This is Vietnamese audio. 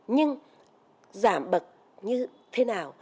nhưng giảm bậc như thế nào